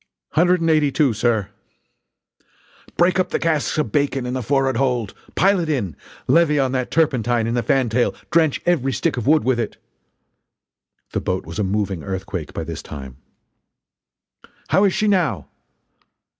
"Hundred and eighty two, sir!" "Break up the casks of bacon in the forrard hold! Pile it in! Levy on that turpentine in the fantail drench every stick of wood with it!" The boat was a moving earthquake by this time: "How is she now?"